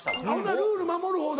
ルール守るほうだ。